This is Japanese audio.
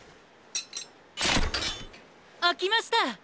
あきました！